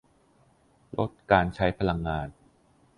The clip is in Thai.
- ลดการใช้พลังงาน